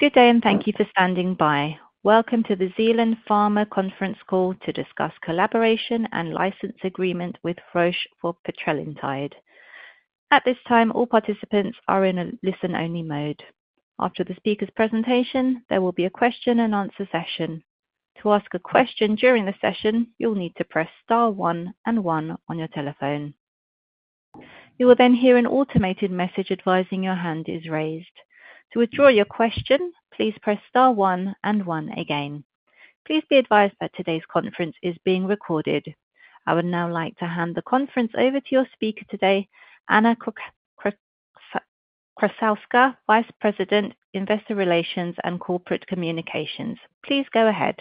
Good day, and thank you for standing by. Welcome to the Zealand Pharma Conference Call to discuss collaboration and license agreement with Roche for petrelintide. At this time, all participants are in a listen-only mode. After the speaker's presentation, there will be a question-and-answer session. To ask a question during the session, you'll need to press Star one and one on your telephone. You will then hear an automated message advising your hand is raised. To withdraw your question, please press Star one and one again. Please be advised that today's conference is being recorded. I would now like to hand the conference over to your speaker today, Anna Krassowska, Vice President, Investor Relations and Corporate Communications. Please go ahead.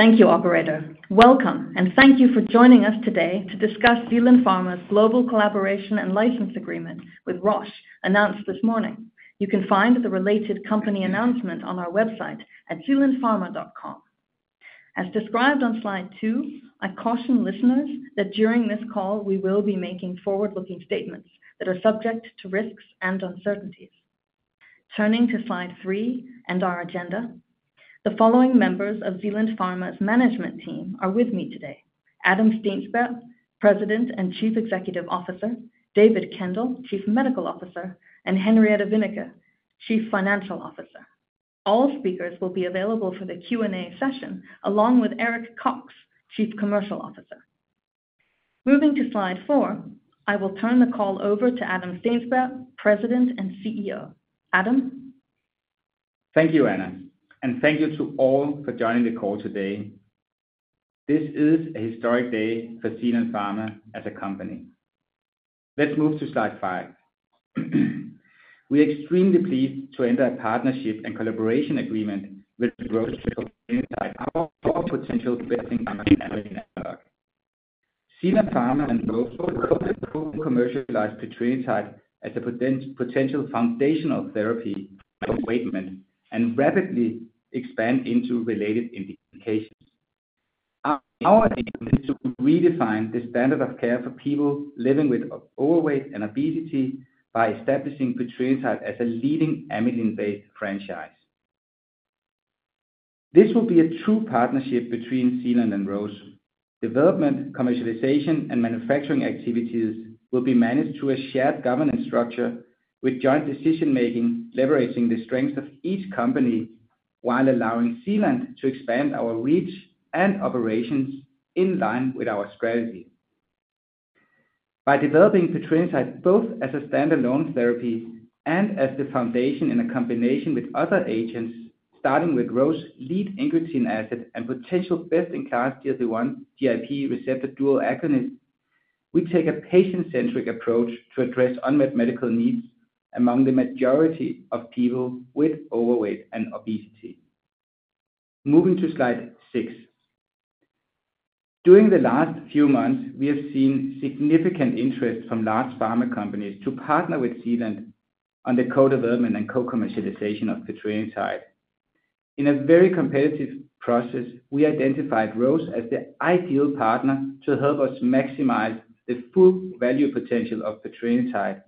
Thank you, Operator. Welcome, and thank you for joining us today to discuss Zealand Pharma's global collaboration and license agreement with Roche, announced this morning. You can find the related company announcement on our website at zealandpharma.com. As described on slide two, I caution listeners that during this call, we will be making forward-looking statements that are subject to risks and uncertainties. Turning to slide three and our agenda, the following members of Zealand Pharma's management team are with me today: Adam Steensberg, President and Chief Executive Officer; David Kendall, Chief Medical Officer; and Henriette Wennicke, Chief Financial Officer. All speakers will be available for the Q&A session, along with Eric Cox, Chief Commercial Officer. Moving to slide four, I will turn the call over to Adam Steensberg, President and CEO. Adam? Thank you, Anna, and thank you to all for joining the call today. This is a historic day for Zealand Pharma as a company. Let's move to slide five. We are extremely pleased to enter a partnership and collaboration agreement with Roche inside our potential best-in-class network. Zealand Pharma and Roche will commercialize petrelintide as a potential foundational therapy for weight loss and rapidly expand into related indications. Our aim is to REDEFINE the standard of care for people living with overweight and obesity by establishing petrelintide as a leading amylin-based franchise. This will be a true partnership between Zealand and Roche. Development, commercialization, and manufacturing activities will be managed through a shared governance structure with joint decision-making leveraging the strengths of each company while allowing Zealand to expand our reach and operations in line with our strategy. By developing petrelintide both as a standalone therapy and as the foundation in a combination with other agents, starting with Roche's lead incretin mimetic and potential best-in-class GLP-1, GIP receptor dual agonist, we take a patient-centric approach to address unmet medical needs among the majority of people with overweight and obesity. Moving to slide six. During the last few months, we have seen significant interest from large pharma companies to partner with Zealand on the co-development and co-commercialization of petrelintide. In a very competitive process, we identified Roche as the ideal partner to help us maximize the full value potential of petrelintide.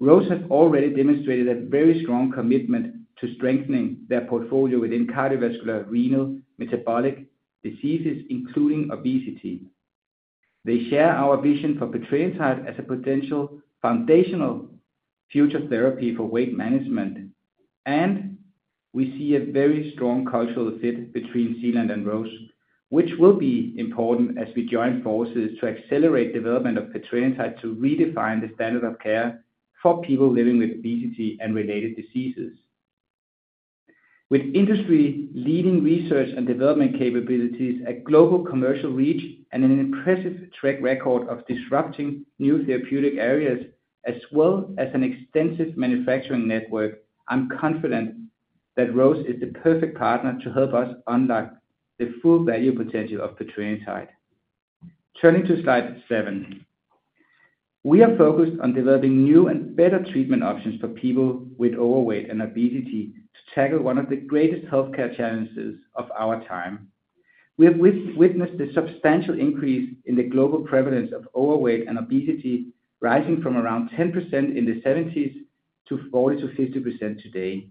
Roche has already demonstrated a very strong commitment to strengthening their portfolio within cardiovascular, renal, and metabolic diseases, including obesity. They share our vision for petrelintide as a potential foundational future therapy for weight management, and we see a very strong cultural fit between Zealand and Roche, which will be important as we join forces to accelerate the development of petrelintide to REDEFINE the standard of care for people living with obesity and related diseases. With industry-leading research and development capabilities, a global commercial reach, and an impressive track record of disrupting new therapeutic areas, as well as an extensive manufacturing network, I'm confident that Roche is the perfect partner to help us unlock the full value potential of petrelintide. Turning to slide seven, we are focused on developing new and better treatment options for people with overweight and obesity to tackle one of the greatest healthcare challenges of our time. We have witnessed a substantial increase in the global prevalence of overweight and obesity, rising from around 10% in the 1970s to 40%-50% today.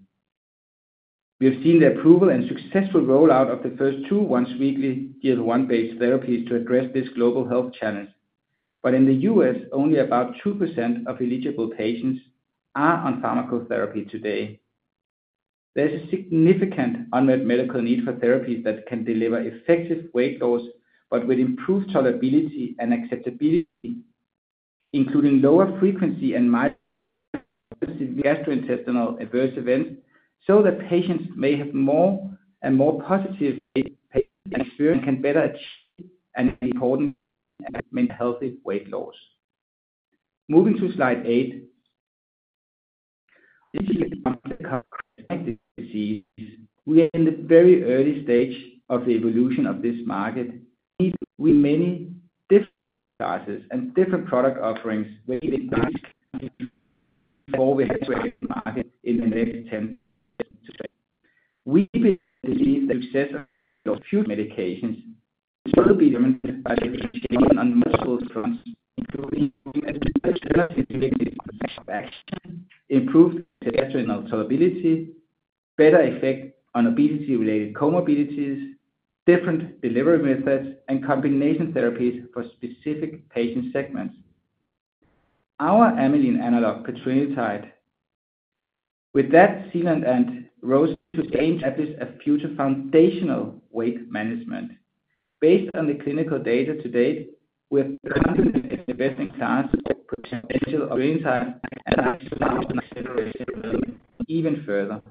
We have seen the approval and successful rollout of the first two once-weekly GLP-1-based therapies to address this global health challenge, but in the US, only about 2% of eligible patients are on pharmacotherapy today. There's a significant unmet medical need for therapies that can deliver effective weight loss, but with improved tolerability and acceptability, including lower frequency and mild gastrointestinal adverse events, so that patients may have more and more positive experience and can better achieve an important and healthy weight loss. Moving to slide eight, this is a non-communicable disease. We are in the very early stage of the evolution of this market. We need many different sizes and different product offerings before we enter the market in the next 10 years. We believe the success of future medications will be determined by the efficiency on multiple fronts, including improved gastrointestinal tolerability, better effect on obesity-related comorbidities, different delivery methods, and combination therapies for specific patient segments. Our amylin analog, petrelintide, with that, Zealand and Roche to aim to establish a future foundational weight management. Based on the clinical data to date, we are confident in the best-in-class potential of petrelintide and accelerating development even further.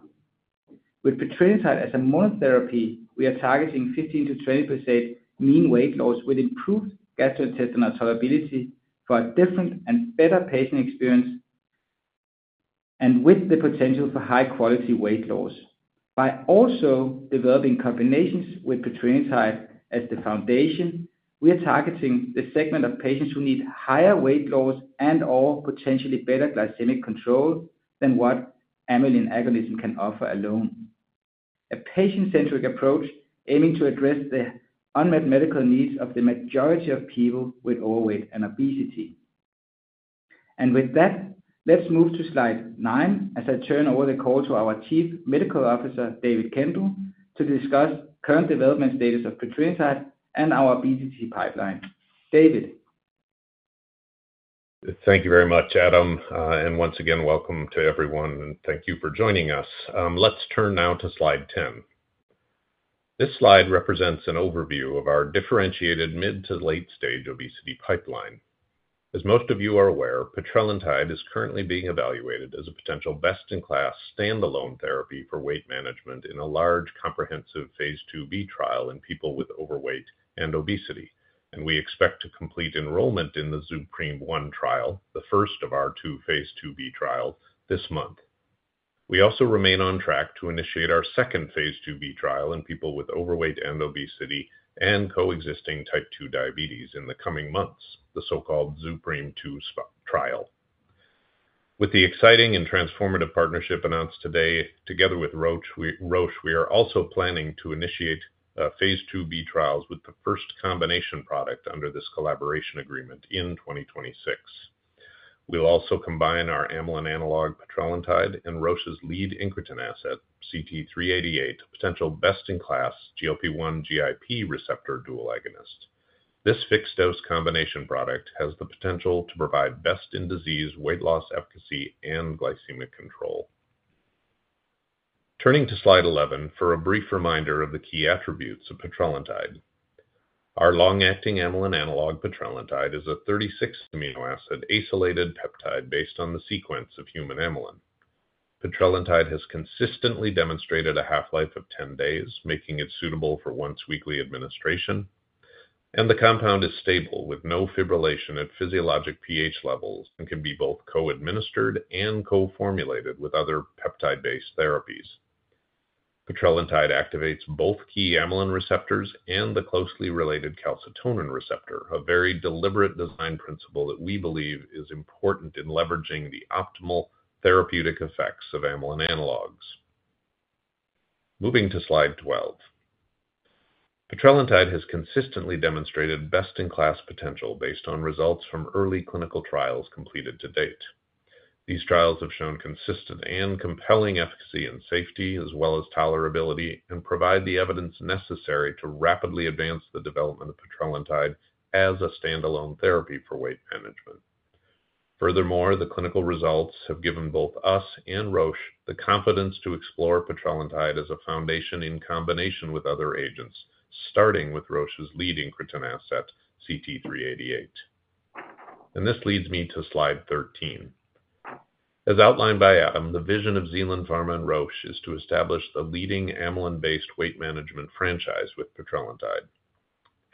With petrelintide as a monotherapy, we are targeting 15%-20% mean weight loss with improved gastrointestinal tolerability for a different and better patient experience and with the potential for high-quality weight loss. By also developing combinations with petrelintide as the foundation, we are targeting the segment of patients who need higher weight loss and/or potentially better glycemic control than what amylin agonism can offer alone. A patient-centric approach aiming to address the unmet medical needs of the majority of people with overweight and obesity. With that, let's move to slide nine as I turn over the call to our Chief Medical Officer, David Kendall, to discuss the current development status of petrelintide and our obesity pipeline. David. Thank you very much, Adam. Once again, welcome to everyone, and thank you for joining us. Let's turn now to slide 10. This slide represents an overview of our differentiated mid-to-late-stage obesity pipeline. As most of you are aware, petrelintide is currently being evaluated as a potential best-in-class standalone therapy for weight management in a large comprehensive phase IIb trial in people with overweight and obesity, and we expect to complete enrollment in the ZUPREME-1 trial, the first of our two phase IIb trials, this month. We also remain on track to initiate our second phase IIb trial in people with overweight and obesity and coexisting type 2 diabetes in the coming months, the so-called ZUPREME-2 trial. With the exciting and transformative partnership announced today, together with Roche, we are also planning to initiate phase IIb trials with the first combination product under this collaboration agreement in 2026. We'll also combine our amylin analog, petrelintide, and Roche's lead incretin mimetic, CT388, to potential best-in-class GLP-1, GIP receptor dual agonist. This fixed-dose combination product has the potential to provide best-in-disease weight loss efficacy and glycemic control. Turning to slide 11 for a brief reminder of the key attributes of petrelintide. Our long-acting amylin analog, petrelintide, is a 36-amino acid acylated peptide based on the sequence of human amylin. Petrelintide has consistently demonstrated a half-life of 10 days, making it suitable for once-weekly administration, and the compound is stable with no fibrillation at physiologic pH levels and can be both co-administered and co-formulated with other peptide-based therapies. Petrelintide activates both key amylin receptors and the closely related calcitonin receptor, a very deliberate design principle that we believe is important in leveraging the optimal therapeutic effects of amylin analogs. Moving to slide 12, Petrelintide has consistently demonstrated best-in-class potential based on results from early clinical trials completed to date. These trials have shown consistent and compelling efficacy and safety, as well as tolerability, and provide the evidence necessary to rapidly advance the development of Petrelintide as a standalone therapy for weight management. Furthermore, the clinical results have given both us and Roche the confidence to explore Petrelintide as a foundation in combination with other agents, starting with Roche's lead incretin mimetic, CT388. This leads me to slide 13. As outlined by Adam, the vision of Zealand Pharma and Roche is to establish the leading amylin-based weight management franchise with Petrelintide.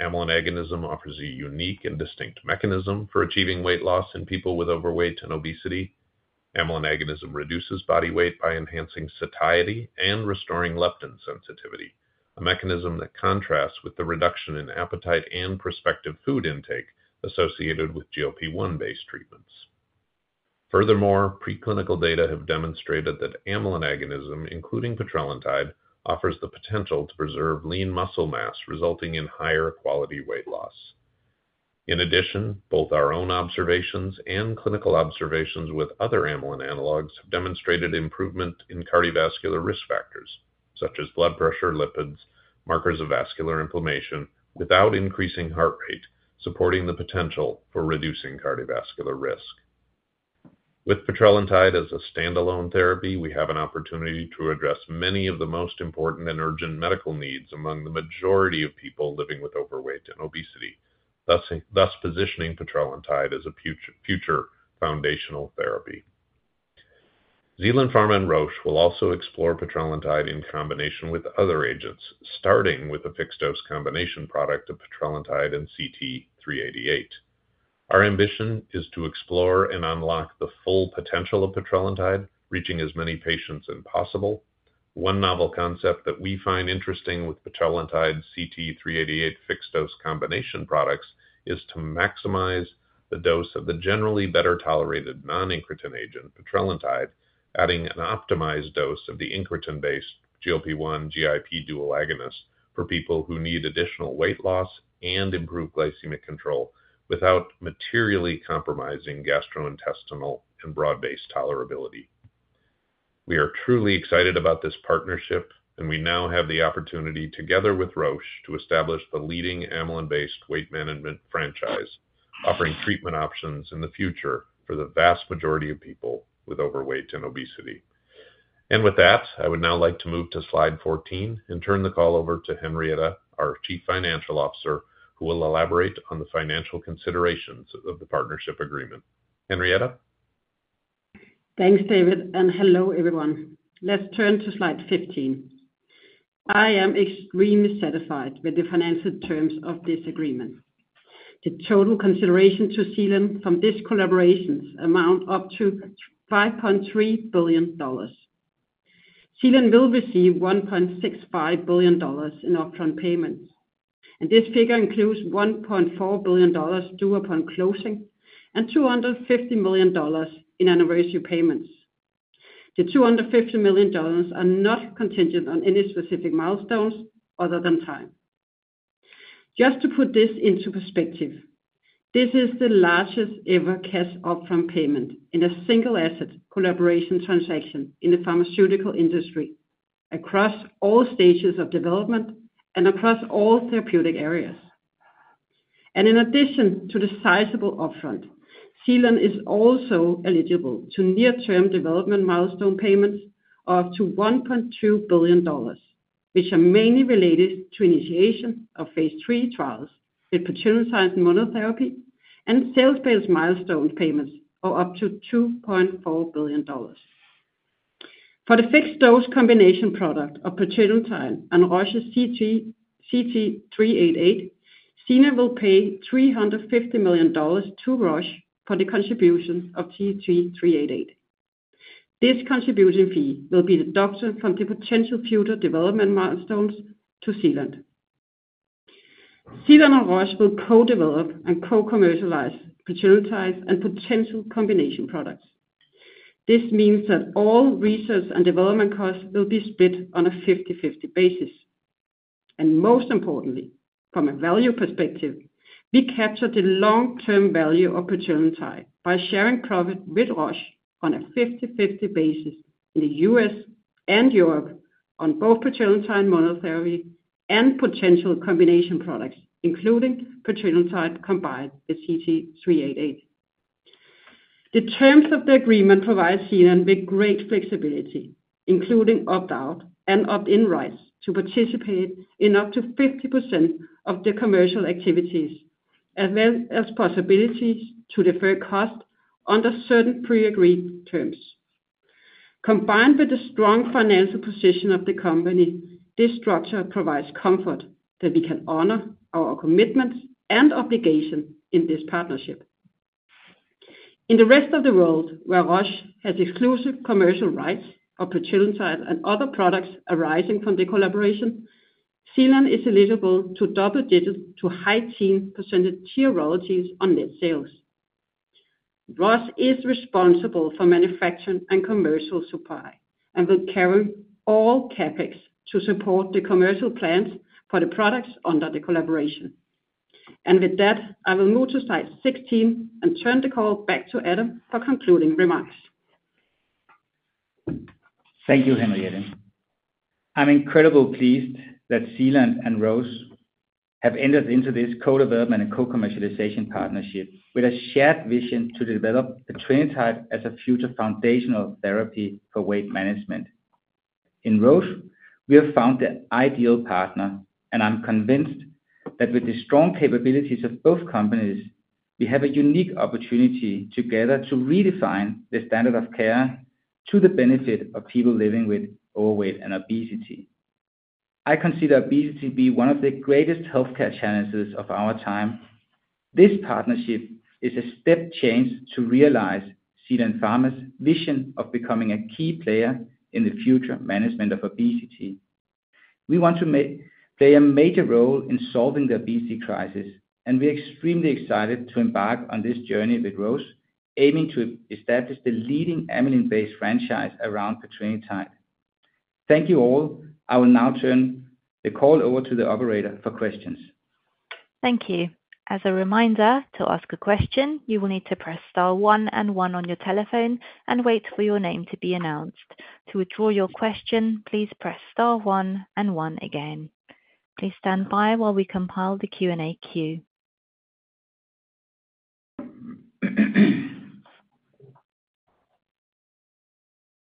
Amylin agonism offers a unique and distinct mechanism for achieving weight loss in people with overweight and obesity. Amylin agonism reduces body weight by enhancing satiety and restoring leptin sensitivity, a mechanism that contrasts with the reduction in appetite and prospective food intake associated with GLP-1-based treatments. Furthermore, preclinical data have demonstrated that amylin agonism, including petrelintide, offers the potential to preserve lean muscle mass, resulting in higher quality weight loss. In addition, both our own observations and clinical observations with other amylin analogs have demonstrated improvement in cardiovascular risk factors such as blood pressure, lipids, markers of vascular inflammation, without increasing heart rate, supporting the potential for reducing cardiovascular risk. With petrelintide as a standalone therapy, we have an opportunity to address many of the most important and urgent medical needs among the majority of people living with overweight and obesity, thus positioning petrelintide as a future foundational therapy. Zealand Pharma and Roche will also explore petrelintide in combination with other agents, starting with a fixed-dose combination product of petrelintide and CT388. Our ambition is to explore and unlock the full potential of petrelintide, reaching as many patients as possible. One novel concept that we find interesting with petrelintide's CT388 fixed-dose combination products is to maximize the dose of the generally better tolerated non-incretin agent, petrelintide, adding an optimized dose of the incretin-based GLP-1, GIP dual agonist for people who need additional weight loss and improved glycemic control without materially compromising gastrointestinal and broad-based tolerability. We are truly excited about this partnership, and we now have the opportunity, together with Roche, to establish the leading amylin-based weight management franchise, offering treatment options in the future for the vast majority of people with overweight and obesity. With that, I would now like to move to slide 14 and turn the call over to Henriette, our Chief Financial Officer, who will elaborate on the financial considerations of the partnership agreement. Henriette? Thanks, David, and hello, everyone. Let's turn to slide 15. I am extremely satisfied with the financial terms of this agreement. The total consideration to Zealand from these collaborations amounts up to DKK 5.3 billion. Zealand will receive DKK 1.65 billion in upfront payments, and this figure includes DKK 1.4 billion due upon closing and DKK 250 million in anniversary payments. The DKK 250 million are not contingent on any specific milestones other than time. Just to put this into perspective, this is the largest-ever cash upfront payment in a single-asset collaboration transaction in the pharmaceutical industry across all stages of development and across all therapeutic areas. In addition to the sizable upfront, Zealand is also eligible to near-term development milestone payments of up to DKK 1.2 billion, which are mainly related to initiation of phase III trials with petrelintide monotherapy and sales-based milestone payments of up to DKK 2.4 billion. For the fixed-dose combination product of petrelintide and Roche's CT388, Zealand will pay DKK 350 million to Roche for the contribution of CT388. This contribution fee will be deducted from the potential future development milestones to Zealand. Zealand and Roche will co-develop and co-commercialize petrelintide and potential combination products. This means that all research and development costs will be split on a 50/50 basis. Most importantly, from a value perspective, we capture the long-term value of petrelintide by sharing profit with Roche on a 50/50 basis in the US and Europe on both petrelintide monotherapy and potential combination products, including petrelintide combined with CT388. The terms of the agreement provide Zealand with great flexibility, including opt-out and opt-in rights to participate in up to 50% of the commercial activities, as well as possibilities to defer costs under certain pre-agreed terms. Combined with the strong financial position of the company, this structure provides comfort that we can honor our commitments and obligations in this partnership. In the rest of the world, where Roche has exclusive commercial rights of petrelintide and other products arising from the collaboration, Zealand is eligible to double-digit to 19% tier royalties on net sales. Roche is responsible for manufacturing and commercial supply and will carry all CapEx to support the commercial plans for the products under the collaboration. I will move to slide 16 and turn the call back to Adam for concluding remarks. Thank you, Henriette. I'm incredibly pleased that Zealand and Roche have entered into this co-development and co-commercialization partnership with a shared vision to develop petrelintide as a future foundational therapy for weight management. In Roche, we have found the ideal partner, and I'm convinced that with the strong capabilities of both companies, we have a unique opportunity together to REDEFINE the standard of care to the benefit of people living with overweight and obesity. I consider obesity to be one of the greatest healthcare challenges of our time. This partnership is a step change to realize Zealand Pharma's vision of becoming a key player in the future management of obesity. We want to play a major role in solving the obesity crisis, and we are extremely excited to embark on this journey with Roche, aiming to establish the leading amylin-based franchise around petrelintide. Thank you all. I will now turn the call over to the operator for questions. Thank you. As a reminder, to ask a question, you will need to press star one and one on your telephone and wait for your name to be announced. To withdraw your question, please press star one and one again. Please stand by while we compile the Q&A queue.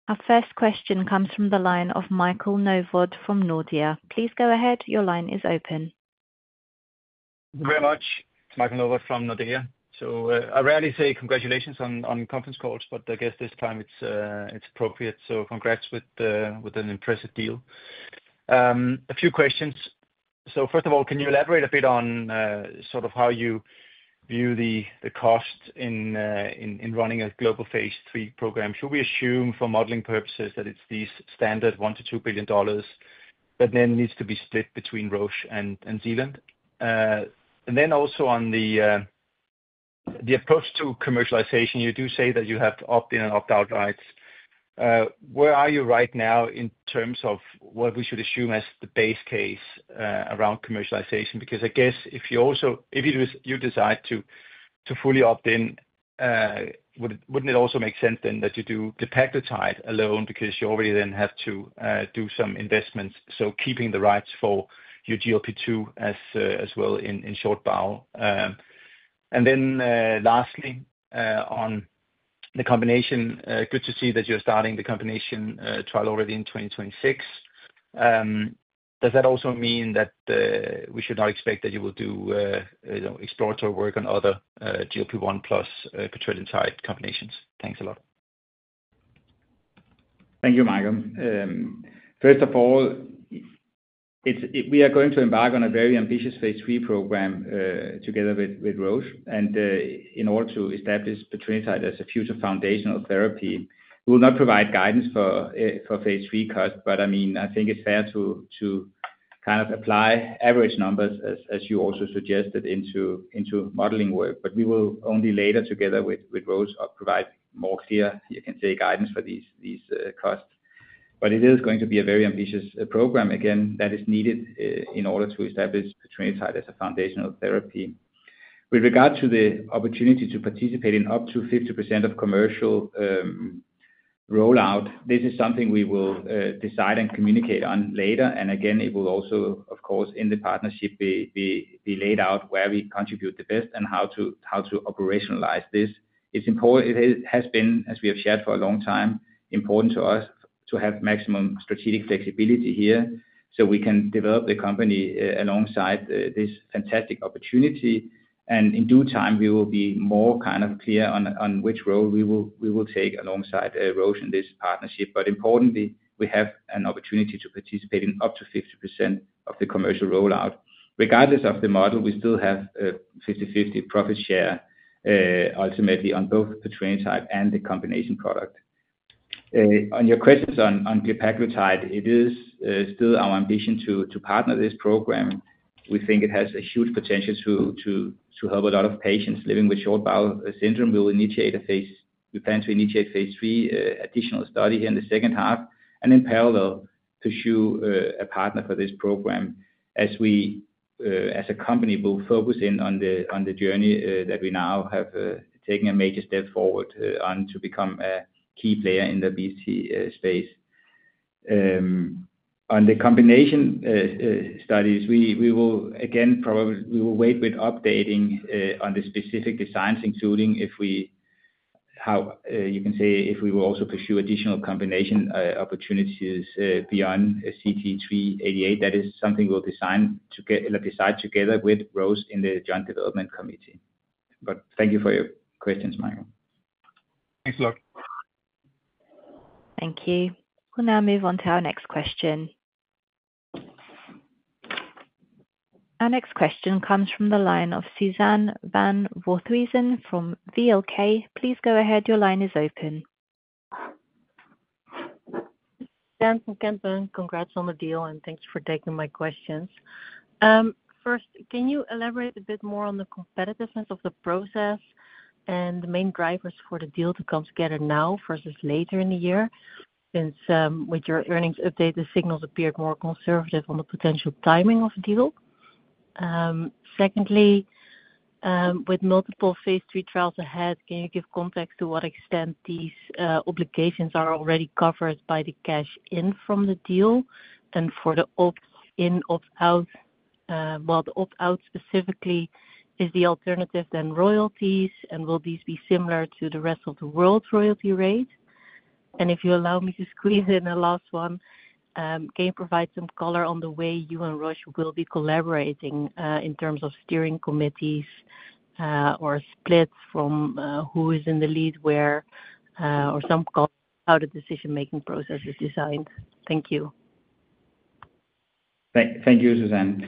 Our first question comes from the line of Michael Novod from Nordea. Please go ahead. Your line is open. Thank you very much. It's Michael Novod from Nordea. I rarely say congratulations on conference calls, but I guess this time it's appropriate. Congrats with an impressive deal. A few questions. First of all, can you elaborate a bit on sort of how you view the cost in running a global phase III program? Should we assume for modeling purposes that it's the standard $1 billion to $2 billion that then needs to be split between Roche and Zealand? Also, on the approach to commercialization, you do say that you have opt-in and opt-out rights. Where are you right now in terms of what we should assume as the base case around commercialization? Because I guess if you decide to fully opt-in, wouldn't it also make sense then that you do the glepaglutide alone because you already then have to do some investments, so keeping the rights for your GLP-2 as well in short bowel? Lastly, on the combination, good to see that you're starting the combination trial already in 2026. Does that also mean that we should not expect that you will do exploratory work on other GLP-1 plus petrelintide combinations? Thanks a lot. Thank you, Michael. First of all, we are going to embark on a very ambitious phase III program together with Roche. In order to establish petrelintide as a future foundational therapy, we will not provide guidance for phase III costs, but I mean, I think it's fair to kind of apply average numbers, as you also suggested, into modeling work. We will only later, together with Roche, provide more clear, you can say, guidance for these costs. It is going to be a very ambitious program, again, that is needed in order to establish petrelintide as a foundational therapy. With regard to the opportunity to participate in up to 50% of commercial rollout, this is something we will decide and communicate on later. It will also, of course, in the partnership, be laid out where we contribute the best and how to operationalize this. It has been, as we have shared for a long time, important to us to have maximum strategic flexibility here so we can develop the company alongside this fantastic opportunity. In due time, we will be more kind of clear on which role we will take alongside Roche in this partnership. Importantly, we have an opportunity to participate in up to 50% of the commercial rollout. Regardless of the model, we still have a 50/50 profit share ultimately on both petrelintide and the combination product. On your questions on glepaglutide, it is still our ambition to partner this program. We think it has a huge potential to help a lot of patients living with short bowel syndrome. We plan to initiate phase III additional study here in the second half and in parallel pursue a partner for this program as we, as a company, will focus in on the journey that we now have taken a major step forward on to become a key player in the obesity space. On the combination studies, we will, again, probably we will wait with updating on the specific designs, including if we, how you can say, if we will also pursue additional combination opportunities beyond CT388. That is something we will decide together with Roche in the joint development committee. Thank you for your questions, Michael. Thanks a lot. Thank you. We'll now move on to our next question. Our next question comes from the line of Suzanne van Voorthuizen from UBS. Please go ahead. Your line is open. Suzanne from Kempen, congrats on the deal, and thanks for taking my questions. First, can you elaborate a bit more on the competitiveness of the process and the main drivers for the deal to come together now versus later in the year? Since with your earnings update, the signals appeared more conservative on the potential timing of the deal. Secondly, with multiple phase III trials ahead, can you give context to what extent these obligations are already covered by the cash-in from the deal? And for the opt-in, opt-out, well, the opt-out specifically, is the alternative then royalties, and will these be similar to the rest of the world's royalty rate? If you allow me to squeeze in a last one, can you provide some color on the way you and Roche will be collaborating in terms of steering committees or splits from who is in the lead where or some color on how the decision-making process is designed? Thank you. Thank you, Suzanne.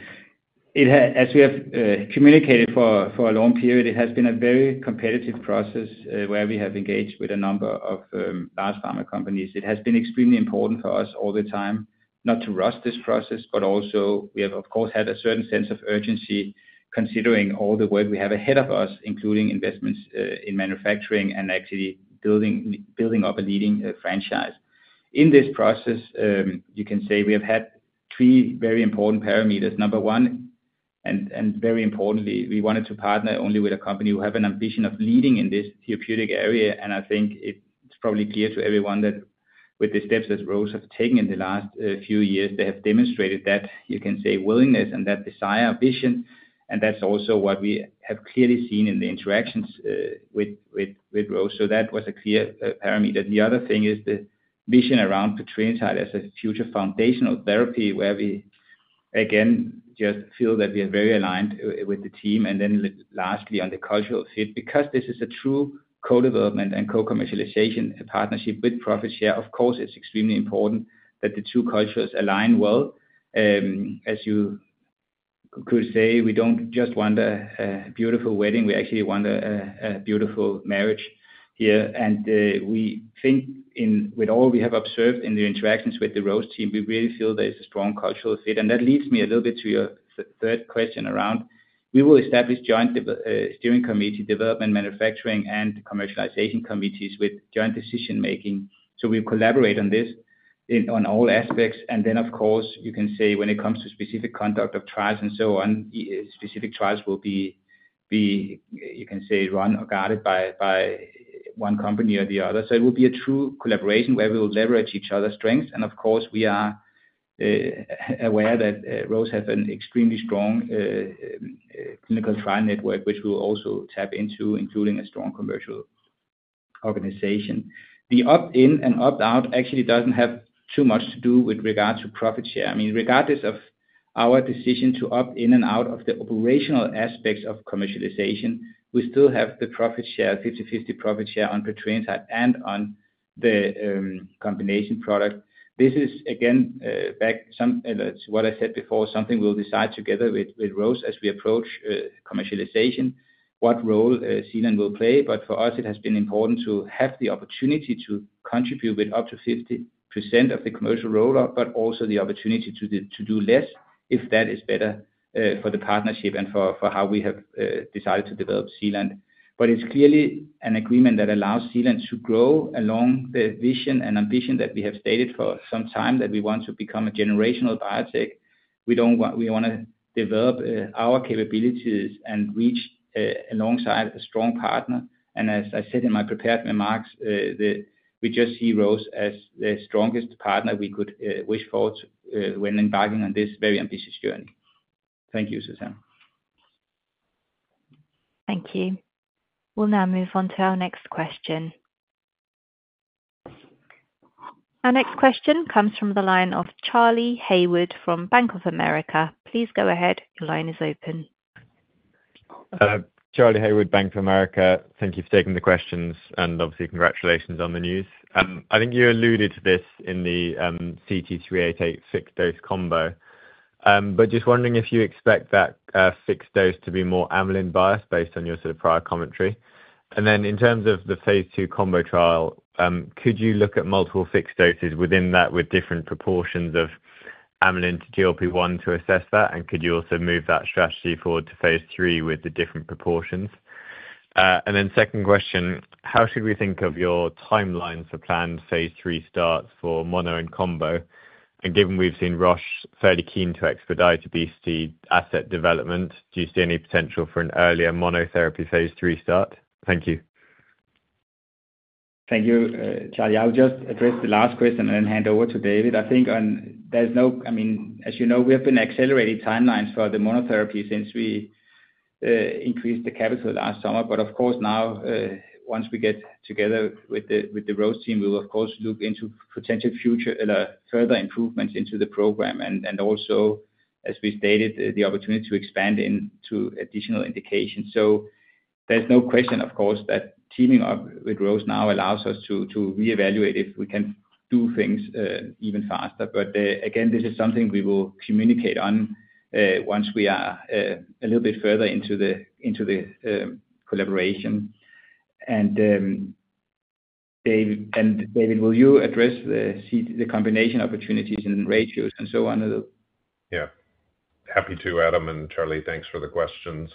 As we have communicated for a long period, it has been a very competitive process where we have engaged with a number of large pharma companies. It has been extremely important for us all the time not to rush this process, but also we have, of course, had a certain sense of urgency considering all the work we have ahead of us, including investments in manufacturing and actually building up a leading franchise. In this process, you can say we have had three very important parameters. Number one, and very importantly, we wanted to partner only with a company who has an ambition of leading in this therapeutic area. I think it's probably clear to everyone that with the steps that Roche has taken in the last few years, they have demonstrated that, you can say, willingness and that desire, vision. That is also what we have clearly seen in the interactions with Roche. That was a clear parameter. The other thing is the vision around petrelintide as a future foundational therapy where we, again, just feel that we are very aligned with the team. Lastly, on the cultural fit, because this is a true co-development and co-commercialization partnership with profit share, of course, it is extremely important that the two cultures align well. As you could say, we do not just want a beautiful wedding. We actually want a beautiful marriage here. We think with all we have observed in the interactions with the Roche team, we really feel there is a strong cultural fit. That leads me a little bit to your third question around we will establish joint steering committee development, manufacturing, and commercialization committees with joint decision-making. We collaborate on this on all aspects. Of course, you can say when it comes to specific conduct of trials and so on, specific trials will be, you can say, run or guarded by one company or the other. It will be a true collaboration where we will leverage each other's strengths. Of course, we are aware that Roche has an extremely strong clinical trial network, which we will also tap into, including a strong commercial organization. The opt-in and opt-out actually does not have too much to do with regard to profit share. I mean, regardless of our decision to opt in and out of the operational aspects of commercialization, we still have the profit share, 50/50 profit share on petrelintide and on the combination product. This is, again, back to what I said before, something we'll decide together with Roche as we approach commercialization, what role Zealand will play. For us, it has been important to have the opportunity to contribute with up to 50% of the commercial rollout, but also the opportunity to do less if that is better for the partnership and for how we have decided to develop Zealand. It is clearly an agreement that allows Zealand to grow along the vision and ambition that we have stated for some time that we want to become a generational biotech. We want to develop our capabilities and reach alongside a strong partner. As I said in my prepared remarks, we just see Roche as the strongest partner we could wish for when embarking on this very ambitious journey. Thank you, Suzanne. Thank you. We'll now move on to our next question. Our next question comes from the line of Charlie Haywood from Bank of America. Please go ahead. Your line is open. Thank you for taking the questions. Obviously, congratulations on the news. I think you alluded to this in the CT388 fixed-dose combo. Just wondering if you expect that fixed dose to be more amylin-biased based on your sort of prior commentary. In terms of the phase II combo trial, could you look at multiple fixed doses within that with different proportions of amylin to GLP-1 to assess that? Could you also move that strategy forward to phase III with the different proportions? Second question, how should we think of your timeline for planned phase III starts for mono and combo? Given we've seen Roche fairly keen to expedite obesity asset development, do you see any potential for an earlier monotherapy phase III start? Thank you. Thank you, Charlie. I'll just address the last question and then hand over to David. I think there's no—I mean, as you know, we have been accelerating timelines for the monotherapy since we increased the capital last summer. Of course, now, once we get together with the Roche team, we will, of course, look into potential future further improvements into the program. Also, as we stated, the opportunity to expand into additional indications. There's no question, of course, that teaming up with Roche now allows us to reevaluate if we can do things even faster. Again, this is something we will communicate on once we are a little bit further into the collaboration. David, will you address the combination opportunities and ratios and so on? Yeah. Happy to, Adam and Charlie. Thanks for the questions.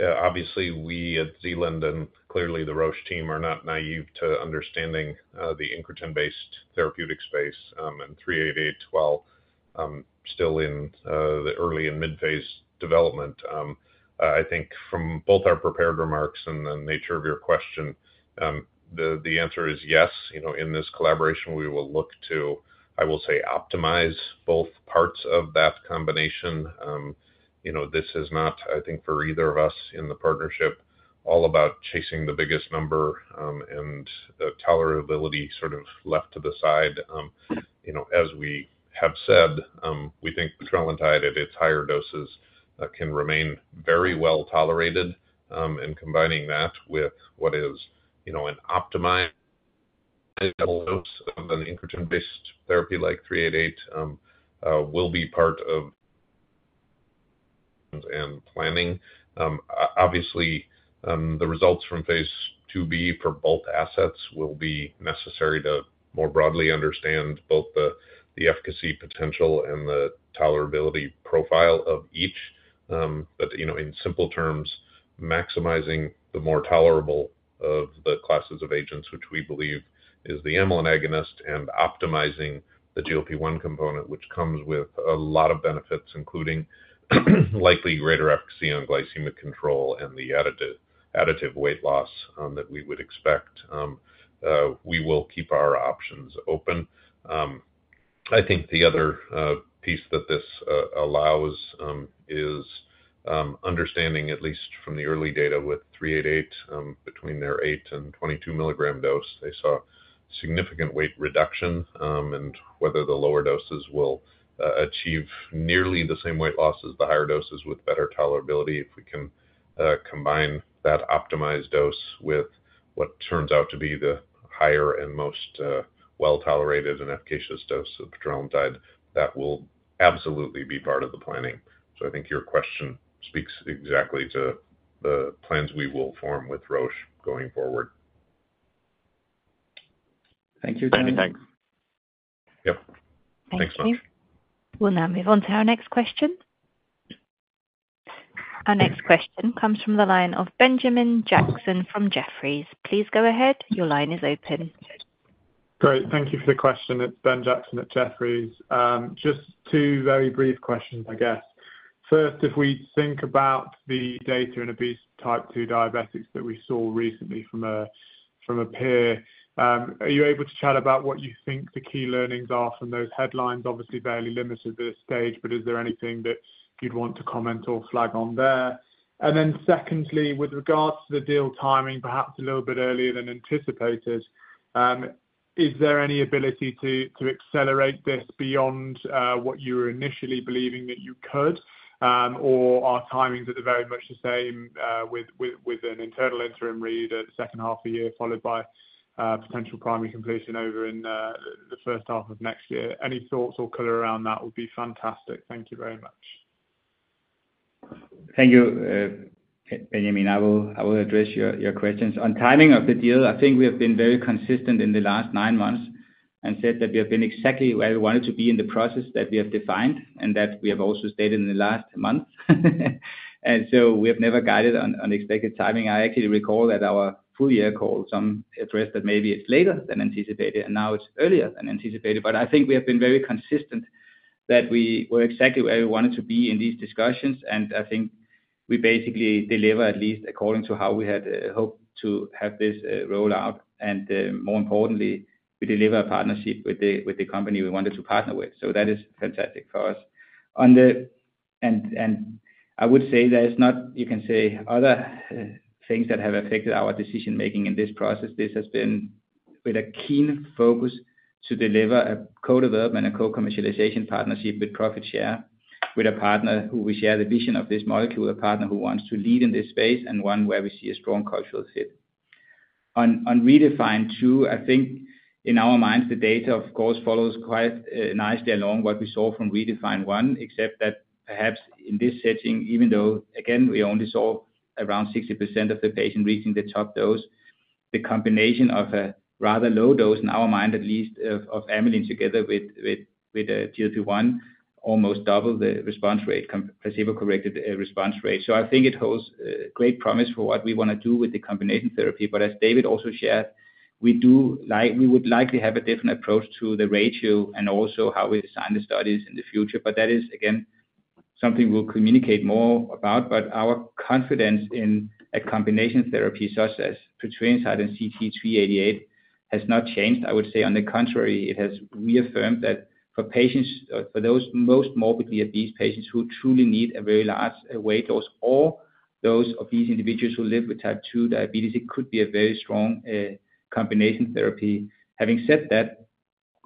Obviously, we at Zealand and clearly the Roche team are not naive to understanding the incretin-based therapeutic space and 388 while still in the early and mid-phase development. I think from both our prepared remarks and the nature of your question, the answer is yes. In this collaboration, we will look to, I will say, optimize both parts of that combination. This is not, I think, for either of us in the partnership all about chasing the biggest number and tolerability sort of left to the side. As we have said, we think petrelintide at its higher doses can remain very well tolerated. Combining that with what is an optimized dose of an incretin-based therapy like 388 will be part of planning. Obviously, the results from phase IIb for both assets will be necessary to more broadly understand both the efficacy potential and the tolerability profile of each. In simple terms, maximizing the more tolerable of the classes of agents, which we believe is the amylin agonist, and optimizing the GLP-1 component, which comes with a lot of benefits, including likely greater efficacy on glycemic control and the additive weight loss that we would expect. We will keep our options open. I think the other piece that this allows is understanding, at least from the early data with 388, between their 8 and 22 milligram dose, they saw significant weight reduction. Whether the lower doses will achieve nearly the same weight loss as the higher doses with better tolerability, if we can combine that optimized dose with what turns out to be the higher and most well-tolerated and efficacious dose of petrelintide, that will absolutely be part of the planning. I think your question speaks exactly to the plans we will form with Roche going forward. Thank you. Thank you. Yep. Thanks. Thanks. We'll now move on to our next question. Our next question comes from the line of Benjamin Jackson from Jefferies. Please go ahead. Your line is open. Great. Thank you for the question. It's Ben Jackson at Jefferies. Just two very brief questions, I guess. First, if we think about the data in obesity type 2 diabetics that we saw recently from a peer, are you able to chat about what you think the key learnings are from those headlines? Obviously, fairly limited at this stage, but is there anything that you'd want to comment or flag on there? Secondly, with regards to the deal timing, perhaps a little bit earlier than anticipated, is there any ability to accelerate this beyond what you were initially believing that you could? Or are timings at the very much the same with an internal interim read at the second half of the year followed by potential primary completion over in the first half of next year? Any thoughts or color around that would be fantastic. Thank you very much. Thank you, Benjamin. I will address your questions. On timing of the deal, I think we have been very consistent in the last nine months and said that we have been exactly where we wanted to be in the process that we have defined and that we have also stated in the last month. We have never guided on unexpected timing. I actually recall at our full year call, some addressed that maybe it's later than anticipated, and now it's earlier than anticipated. I think we have been very consistent that we were exactly where we wanted to be in these discussions. I think we basically deliver at least according to how we had hoped to have this roll out. More importantly, we deliver a partnership with the company we wanted to partner with. That is fantastic for us. I would say there's not, you can say, other things that have affected our decision-making in this process. This has been with a keen focus to deliver a co-development and co-commercialization partnership with profit share with a partner who we share the vision of this molecule, a partner who wants to lead in this space and one where we see a strong cultural fit. On REDEFINE 2, I think in our minds, the data, of course, follows quite nicely along what we saw from REDEFINE 1, except that perhaps in this setting, even though, again, we only saw around 60% of the patients reaching the top dose, the combination of a rather low dose in our mind, at least of amylin together with GLP-1 almost doubled the response rate, placebo-corrected response rate. I think it holds great promise for what we want to do with the combination therapy. As David also shared, we would likely have a different approach to the ratio and also how we design the studies in the future. That is, again, something we'll communicate more about. Our confidence in a combination therapy such as petrelintide and CT388 has not changed. I would say, on the contrary, it has reaffirmed that for patients, for those most morbidly obese patients who truly need a very large weight loss or those of these individuals who live with type 2 diabetes, it could be a very strong combination therapy. Having said that,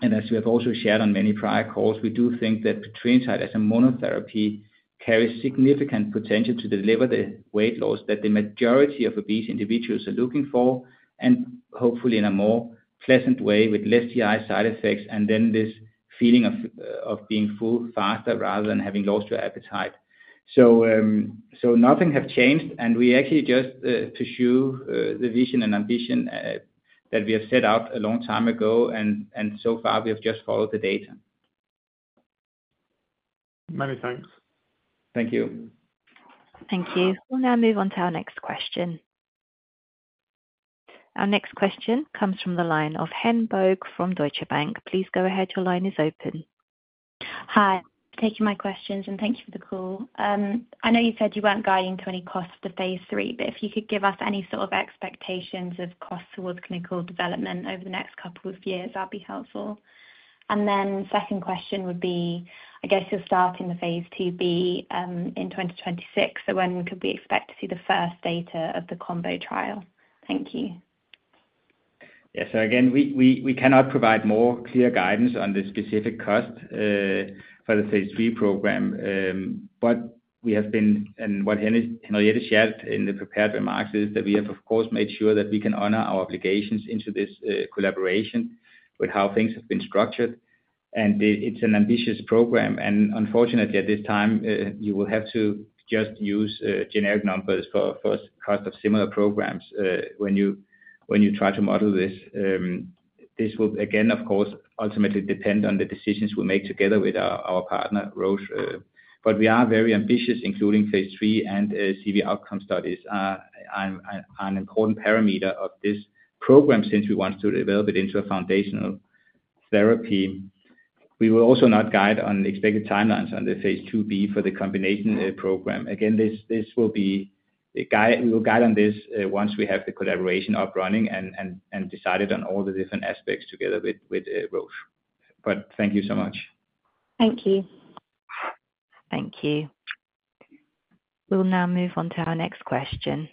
and as we have also shared on many prior calls, we do think that petrelintide as a monotherapy carries significant potential to deliver the weight loss that the majority of obese individuals are looking for, and hopefully in a more pleasant way with less GI side effects and then this feeling of being full faster rather than having lost your appetite. Nothing has changed. We actually just pursue the vision and ambition that we have set out a long time ago. So far, we have just followed the data. Many thanks. Thank you. Thank you. We'll now move on to our next question. Our next question comes from the line of Hen Boeg from Deutsche Bank. Please go ahead. Your line is open. Hi. Thank you for my questions. Thank you for the call. I know you said you weren't guiding to any costs for phase III, but if you could give us any sort of expectations of costs towards clinical development over the next couple of years, that'd be helpful. The second question would be, I guess you're starting the phase IIb in 2026. When could we expect to see the first data of the combo trial? Thank you. Yeah. Again, we cannot provide more clear guidance on the specific cost for the phase III program. What Henriette shared in the prepared remarks is that we have, of course, made sure that we can honor our obligations into this collaboration with how things have been structured. It is an ambitious program. Unfortunately, at this time, you will have to just use generic numbers for cost of similar programs when you try to model this. This will, of course, ultimately depend on the decisions we make together with our partner, Roche. We are very ambitious, including phase III, and CV outcome studies are an important parameter of this program since we want to develop it into a foundational therapy. We will also not guide on expected timelines on the phase IIb for the combination program. Again, we will guide on this once we have the collaboration up running and decided on all the different aspects together with Roche. Thank you so much. Thank you. Thank you. We'll now move on to our next question.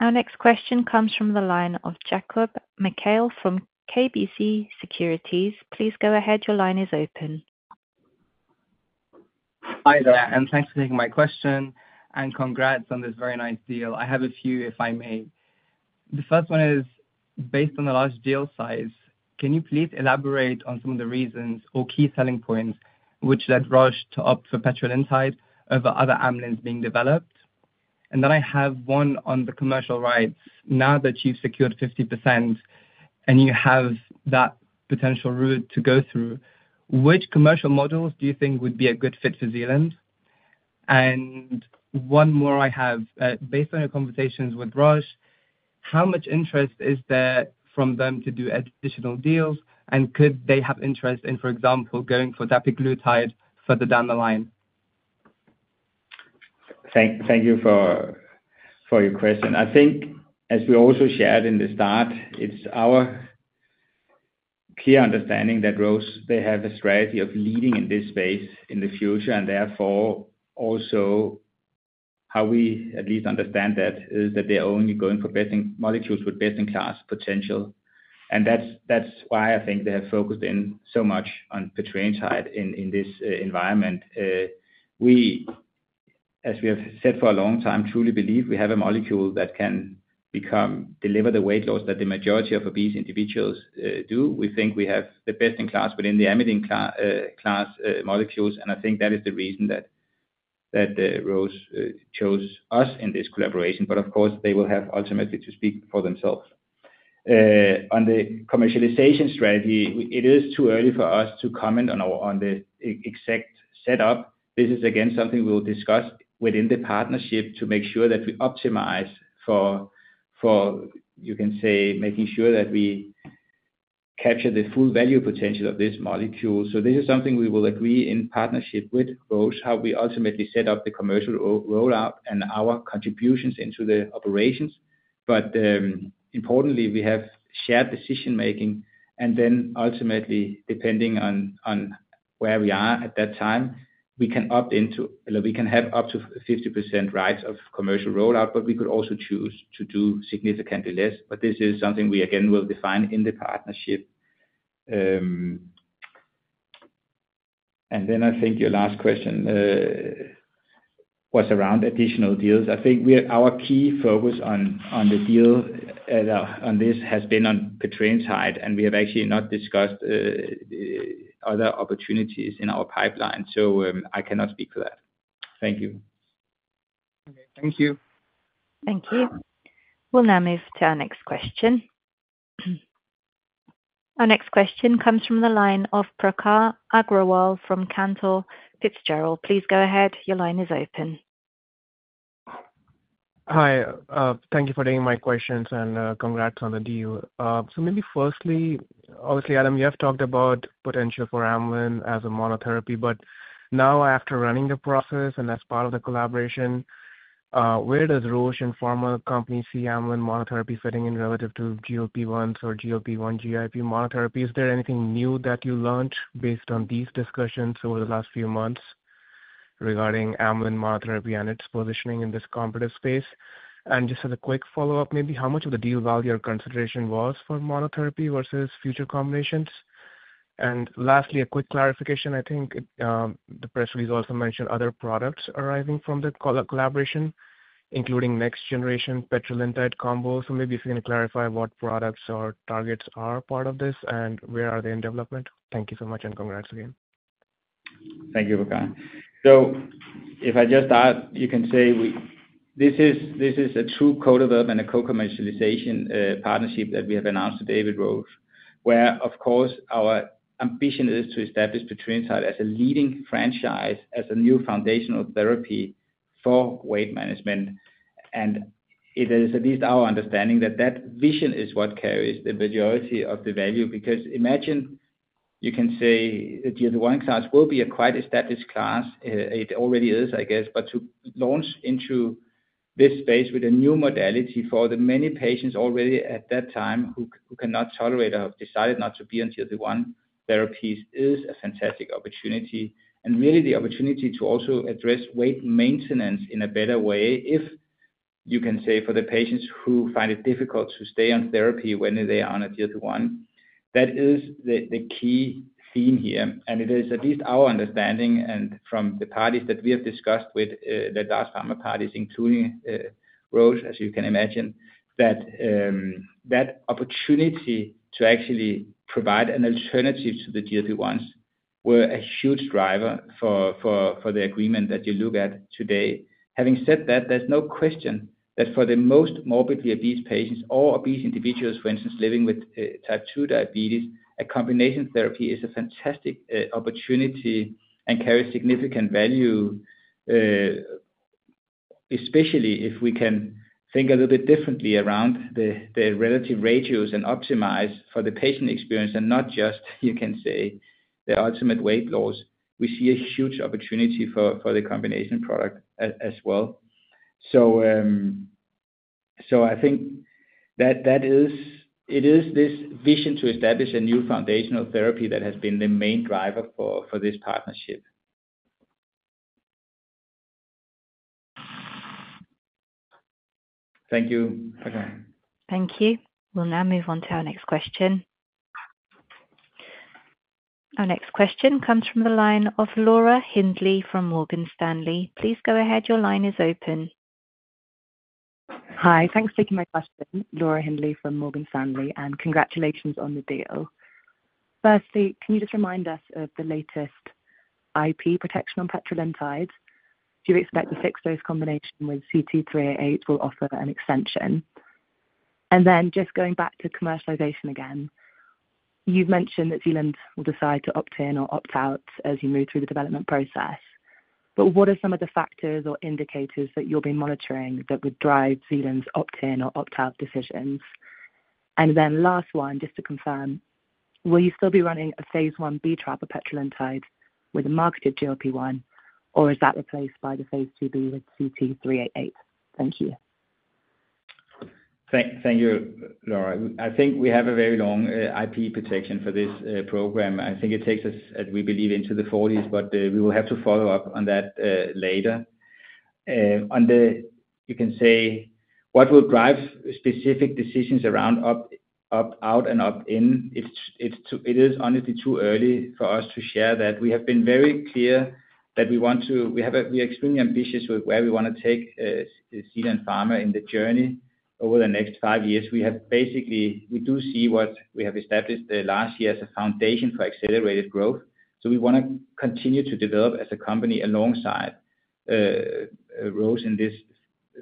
Our next question comes from the line of Jacob Mikael from KBC Securities. Please go ahead. Your line is open. Hi, there. Thanks for taking my question. Congrats on this very nice deal. I have a few, if I may. The first one is, based on the large deal size, can you please elaborate on some of the reasons or key selling points which led Roche to opt for petrelintide over other amylin being developed? I have one on the commercial rights. Now that you've secured 50% and you have that potential route to go through, which commercial models do you think would be a good fit for Zealand? One more I have. Based on your conversations with Roche, how much interest is there from them to do additional deals? Could they have interest in, for example, going for glepaglutide further down the line? Thank you for your question. I think, as we also shared in the start, it's our clear understanding that Roche, they have a strategy of leading in this space in the future. Therefore, also how we at least understand that is that they're only going for molecules with best-in-class potential. That is why I think they have focused in so much on petrelintide in this environment. We, as we have said for a long time, truly believe we have a molecule that can deliver the weight loss that the majority of obese individuals do. We think we have the best-in-class within the amylin class molecules. I think that is the reason that Roche chose us in this collaboration. Of course, they will have ultimately to speak for themselves. On the commercialization strategy, it is too early for us to comment on the exact setup. This is, again, something we will discuss within the partnership to make sure that we optimize for, you can say, making sure that we capture the full value potential of this molecule. This is something we will agree in partnership with Roche, how we ultimately set up the commercial rollout and our contributions into the operations. Importantly, we have shared decision-making. Ultimately, depending on where we are at that time, we can opt into or we can have up to 50% rights of commercial rollout, but we could also choose to do significantly less. This is something we, again, will define in the partnership. I think your last question was around additional deals. I think our key focus on the deal on this has been on petrelintide. We have actually not discussed other opportunities in our pipeline. I cannot speak for that. Thank you. Okay. Thank you. Thank you. We'll now move to our next question. Our next question comes from the line of Prakhar Agrawal from Cantor Fitzgerald. Please go ahead. Your line is open. Hi. Thank you for taking my questions and congrats on the deal. Maybe firstly, obviously, Adam, you have talked about potential for amylin as a monotherapy. Now, after running the process and as part of the collaboration, where do Roche and pharma companies see amylin monotherapy fitting in relative to GLP-1s or GLP-1 GIP monotherapy? Is there anything new that you learned based on these discussions over the last few months regarding amylin monotherapy and its positioning in this competitive space? Just as a quick follow-up, maybe how much of the deal value or consideration was for monotherapy versus future combinations? Lastly, a quick clarification. I think the press release also mentioned other products arriving from the collaboration, including next-generation petrelintide combo. Maybe if you can clarify what products or targets are part of this and where are they in development. Thank you so much and congrats again. Thank you, Prakash. If I just add, you can say this is a true co-development and a co-commercialization partnership that we have announced with Roche, where, of course, our ambition is to establish petrelintide as a leading franchise, as a new foundational therapy for weight management. It is at least our understanding that that vision is what carries the majority of the value. Because imagine you can say the GLP-1 class will be a quite established class. It already is, I guess. To launch into this space with a new modality for the many patients already at that time who cannot tolerate or have decided not to be on GLP-1 therapies is a fantastic opportunity. Really, the opportunity to also address weight maintenance in a better way, if you can say, for the patients who find it difficult to stay on therapy when they are on a GLP-1, that is the key theme here. It is at least our understanding and from the parties that we have discussed with, the pharma parties, including Roche, as you can imagine, that that opportunity to actually provide an alternative to the GLP-1s was a huge driver for the agreement that you look at today. Having said that, there's no question that for the most morbidly obese patients or obese individuals, for instance, living with type 2 diabetes, a combination therapy is a fantastic opportunity and carries significant value, especially if we can think a little bit differently around the relative ratios and optimize for the patient experience and not just, you can say, the ultimate weight loss. We see a huge opportunity for the combination product as well. I think that it is this vision to establish a new foundational therapy that has been the main driver for this partnership. Thank you. Thank you. We'll now move on to our next question. Our next question comes from the line of Laura Hindley from Morgan Stanley. Please go ahead. Your line is open. Hi. Thanks for taking my question, Laura Hindley from Morgan Stanley. Congratulations on the deal. Firstly, can you just remind us of the latest IP protection on petrelintide? Do you expect the fixed-dose combination with CT388 will offer an extension? Just going back to commercialization again, you've mentioned that Zealand will decide to opt in or opt out as you move through the development process. What are some of the factors or indicators that you'll be monitoring that would drive Zealand's opt-in or opt-out decisions? Last one, just to confirm, will you still be running a phase Ib trial for petrelintide with a marketed GLP-1, or is that replaced by the phase IIb with CT388? Thank you. Thank you, Laura. I think we have a very long IP protection for this program. I think it takes us, as we believe, into the 2040s, but we will have to follow up on that later. You can say what will drive specific decisions around opt-out and opt-in? It is honestly too early for us to share that. We have been very clear that we want to—we are extremely ambitious with where we want to take Zealand Pharma in the journey over the next five years. We do see what we have established last year as a foundation for accelerated growth. We want to continue to develop as a company alongside Roche in this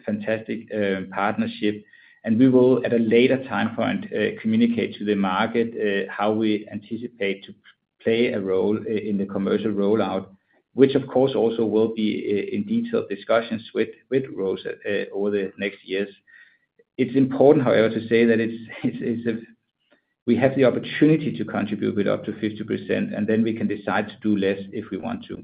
fantastic partnership. We will, at a later time point, communicate to the market how we anticipate to play a role in the commercial rollout, which, of course, also will be in detailed discussions with Roche over the next years. It is important, however, to say that we have the opportunity to contribute with up to 50%, and then we can decide to do less if we want to.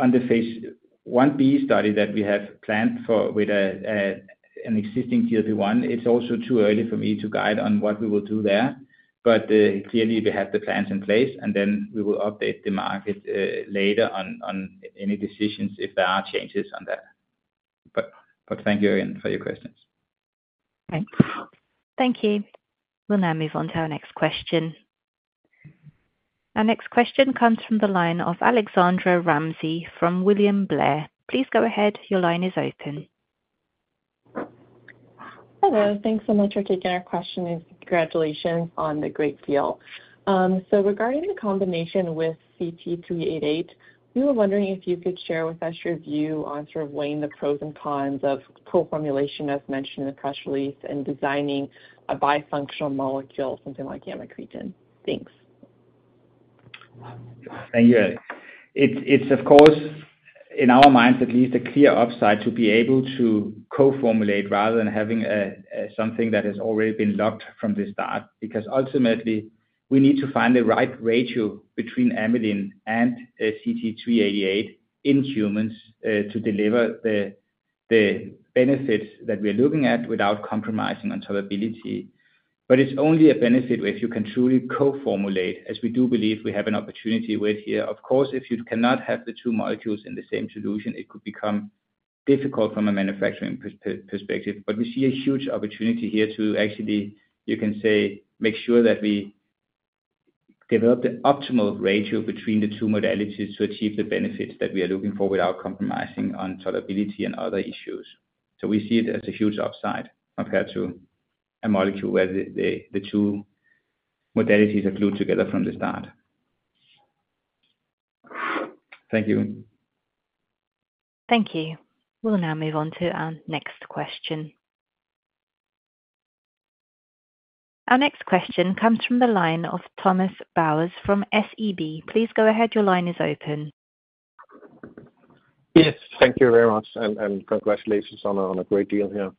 On the phase Ib study that we have planned for with an existing GLP-1, it is also too early for me to guide on what we will do there. Clearly, we have the plans in place. We will update the market later on any decisions if there are changes on that. Thank you again for your questions. Thanks. Thank you. We'll now move on to our next question. Our next question comes from the line of Alexandra Ramsey from William Blair. Please go ahead. Your line is open. Hello. Thanks so much for taking our question and congratulations on the great deal. Regarding the combination with CT388, we were wondering if you could share with us your view on sort of weighing the pros and cons of co-formulation, as mentioned in the press release, and designing a bifunctional molecule, something like amycretin. Thanks. Thank you. It's, of course, in our minds, at least a clear upside to be able to co-formulate rather than having something that has already been locked from the start. Because ultimately, we need to find the right ratio between amylin and CT388 in humans to deliver the benefits that we are looking at without compromising on solubility. It's only a benefit if you can truly co-formulate, as we do believe we have an opportunity with here. Of course, if you cannot have the two molecules in the same solution, it could become difficult from a manufacturing perspective. We see a huge opportunity here to actually, you can say, make sure that we develop the optimal ratio between the two modalities to achieve the benefits that we are looking for without compromising on solubility and other issues. We see it as a huge upside compared to a molecule where the two modalities are glued together from the start. Thank you. Thank you. We'll now move on to our next question. Our next question comes from the line of Thomas Bowers from SEB. Please go ahead. Your line is open. Yes. Thank you very much. Congratulations on a great deal here.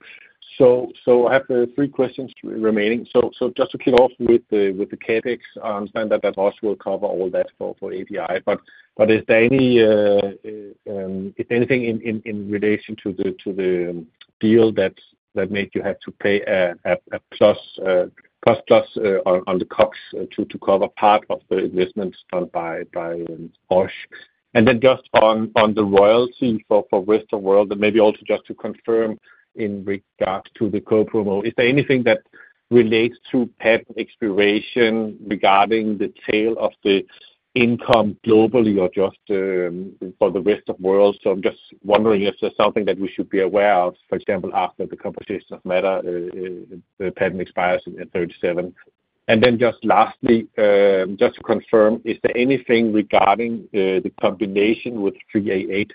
I have three questions remaining. To kick off with the CapEx, I understand that Roche will cover all that for API. Is there anything in relation to the deal that made you have to pay a plus on the COGS to cover part of the investments done by Roche? On the royalty for the rest of the world, and maybe also just to confirm in regards to the co-promo, is there anything that relates to patent expiration regarding the tail of the income globally or just for the rest of the world? I am just wondering if there is something that we should be aware of, for example, after the composition of matter, the patent expires at 2037. Lastly, just to confirm, is there anything regarding the combination with 388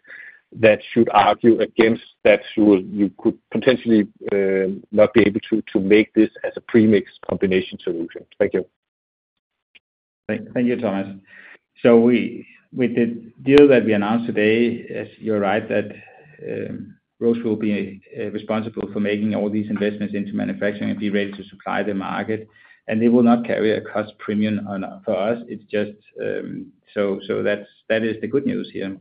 that should argue against that you could potentially not be able to make this as a premixed combination solution? Thank you. Thank you, Thomas. With the deal that we announced today, as you're right, Roche will be responsible for making all these investments into manufacturing and be ready to supply the market. They will not carry a cost premium for us. That is the good news here.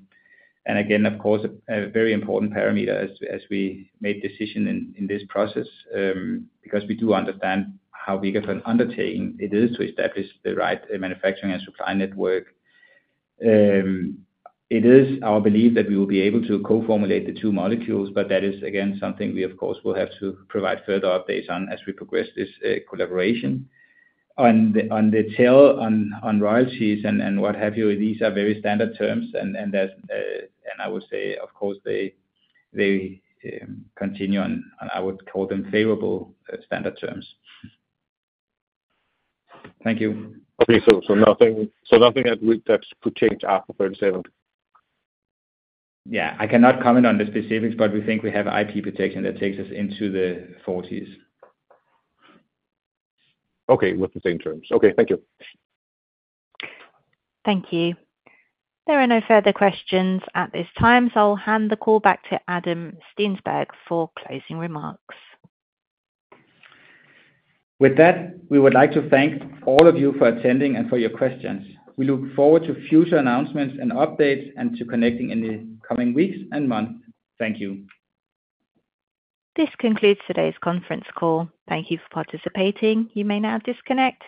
Again, of course, a very important parameter as we make decisions in this process because we do understand how big of an undertaking it is to establish the right manufacturing and supply network. It is our belief that we will be able to co-formulate the two molecules, but that is, again, something we, of course, will have to provide further updates on as we progress this collaboration. On the tail, on royalties and what have you, these are very standard terms. I would say, of course, they continue on, I would call them, favorable standard terms. Thank you. Okay. Nothing that could change after 37? Yeah. I cannot comment on the specifics, but we think we have IP protection that takes us into the 2040s. Okay. With the same terms. Okay. Thank you. Thank you. There are no further questions at this time. I'll hand the call back to Adam Steensberg for closing remarks. With that, we would like to thank all of you for attending and for your questions. We look forward to future announcements and updates and to connecting in the coming weeks and months. Thank you. This concludes today's conference call. Thank you for participating. You may now disconnect.